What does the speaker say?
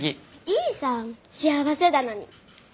いいさあ幸せだのに。